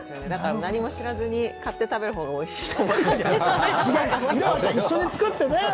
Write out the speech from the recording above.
だから何も知らずに買って食べるほうがおいしいと。